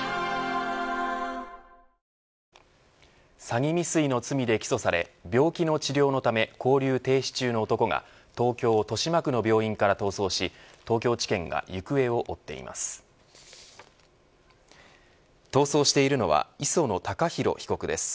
詐欺未遂の罪で起訴され病気の治療のため勾留停止中の男が東京、豊島区の病院から逃走し東京地検が行方を追っています。